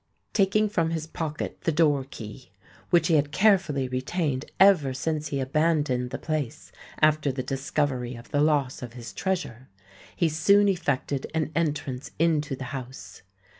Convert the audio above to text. Taking from his pocket the door key, which he had carefully retained ever since he abandoned the place after the discovery of the loss of his treasure, he soon effected an entrance into the house.